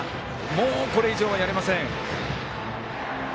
もう、これ以上はやれません。